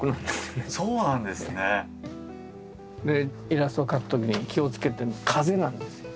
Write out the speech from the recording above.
イラストを描くときに気をつけてるのが「風」なんですよ。